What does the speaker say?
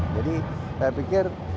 jadi saya pikir